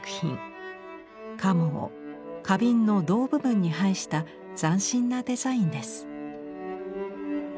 カモを花瓶の胴部分に配した斬新なデザインです。